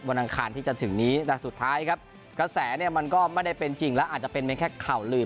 อังคารที่จะถึงนี้แต่สุดท้ายครับกระแสเนี่ยมันก็ไม่ได้เป็นจริงแล้วอาจจะเป็นแค่ข่าวลืม